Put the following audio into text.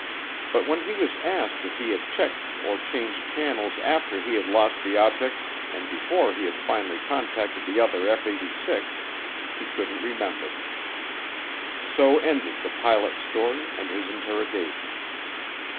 But when he was asked if he had checked or changed channels after he had lost the object and before he had finally contacted the other F 86, he couldn't remember. So ended the pilot's story and his interrogation.